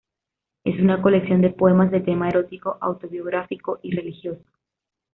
Es una colección de poemas de tema erótico, autobiográfico y religioso.